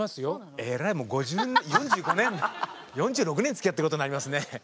えらいもう４６年つきあってることになりますね。